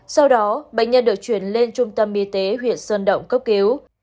sau đó bệnh nhân được chuyển lên trung tâm y tế huyện sơn động cấp cứu